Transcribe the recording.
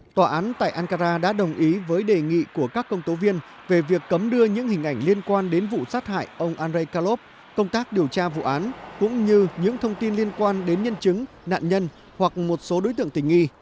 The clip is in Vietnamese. tòa án tại ankara đã đồng ý với đề nghị của các công tố viên về việc cấm đưa những hình ảnh liên quan đến vụ sát hại ông andrei kalov công tác điều tra vụ án cũng như những thông tin liên quan đến nhân chứng nạn nhân hoặc một số đối tượng tình nghi